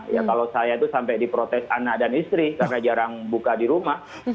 ya kalau saya itu sampai diprotes anak dan istri karena jarang buka di rumah